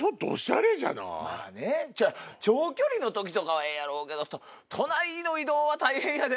まぁね長距離の時とかはええやろうけど都内の移動は大変やで？